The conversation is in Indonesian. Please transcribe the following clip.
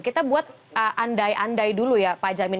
kita buat andai andai dulu ya pak jamin